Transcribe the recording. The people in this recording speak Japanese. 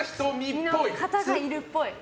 の方がいるっぽい。